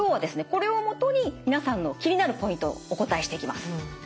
これを基に皆さんの気になるポイントお答えしていきます。